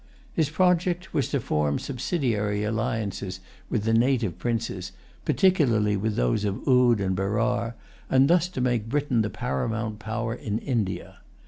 His project was to form subsidiary alliances with the native princes, particularly with those of Oude and Berar, and thus to make Britain the paramount power in India.